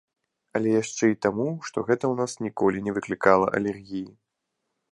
Але яшчэ і таму, што гэта ў нас ніколі не выклікала алергіі.